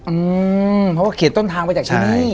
อืมเพราะว่าเขียนต้นทางไปจากที่นี่